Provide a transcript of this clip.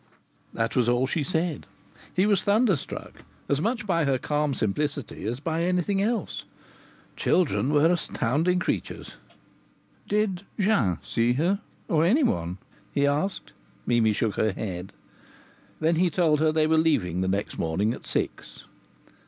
That was all she said. He was thunderstruck, as much by her calm simplicity as by anything else. Children were astounding creatures. "Did Jean see her, or anyone?" he asked. Mimi shook her head. Then he told her they were leaving the next morning at six.